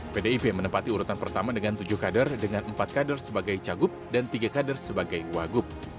pdip menempati urutan pertama dengan tujuh kader dengan empat kader sebagai cagup dan tiga kader sebagai wagub